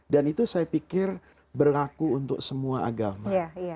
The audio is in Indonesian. dan itu saya pikir berlaku untuk semua agama